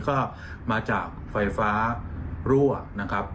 ก็มาจากไฟฟ้ารั่วนะครับ